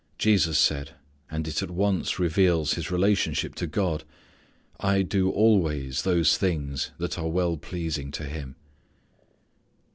Jesus said, and it at once reveals His relationship to God, "I do always those things that are well pleasing to him."